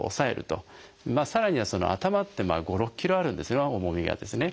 さらには頭って５６ｋｇあるんですね重みがですね。